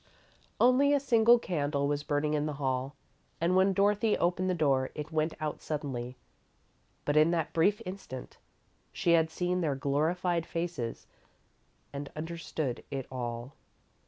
Only a single candle was burning in the hall, and when Dorothy opened the door, it went out suddenly, but in that brief instant, she had seen their glorified faces and understood it all.